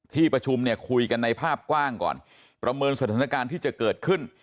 ที่ประชุมเนี่ยคุยกันในภาพกว้างก่อนประเมินสถานการณ์ที่จะเกิดขึ้น